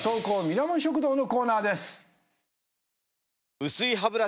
ミラモン食堂のコーナーです。